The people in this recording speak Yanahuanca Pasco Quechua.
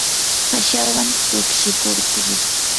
kashawan tukshikurquu.